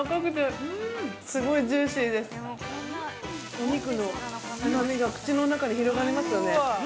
◆お肉のうまみが口の中に広がりますよね。